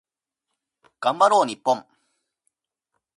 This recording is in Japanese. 頑張ろう日本